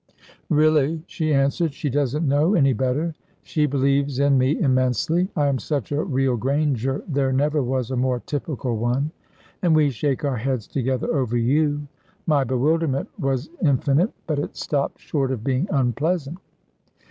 "Really," she answered, "she doesn't know any better. She believes in me immensely. I am such a real Granger, there never was a more typical one. And we shake our heads together over you." My bewilderment was infinite, but it stopped short of being unpleasant.